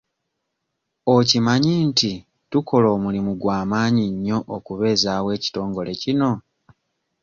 Okimanyi nti tukola omulimu gwa maanyi nnyo okubeezaawo ekitongole kino?